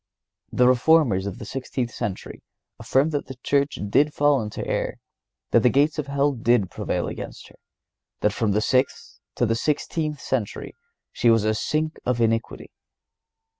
The Reformers of the sixteenth century affirm that the Church did fall into error; that the gates of hell did prevail against her; that from the sixth to the sixteenth century she was a sink of iniquity.